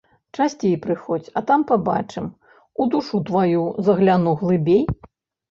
Часцей прыходзь, а там пабачым, у душу тваю загляну глыбей.